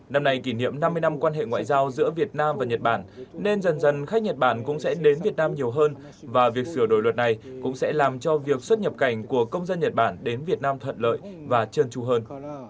năm nay kỷ niệm năm mươi năm quan hệ ngoại giao giữa việt nam và nhật bản nên dần dần khách nhật bản cũng sẽ đến việt nam nhiều hơn và việc sửa đổi luật này cũng sẽ làm cho việc xuất nhập cảnh của công dân nhật bản đến việt nam thuận lợi và trơn tru hơn